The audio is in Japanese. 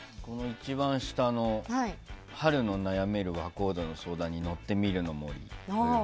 一番下の「春の悩める若人」の相談に乗ってみるの森。